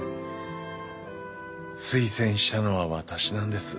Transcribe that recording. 推薦したのは私なんです。